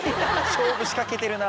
勝負仕掛けてるな。